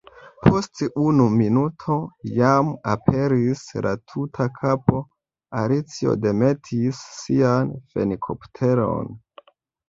Post unu minuto jam aperis la tuta kapo. Alicio demetis sian fenikopteron.